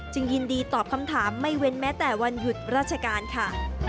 ยินดีตอบคำถามไม่เว้นแม้แต่วันหยุดราชการค่ะ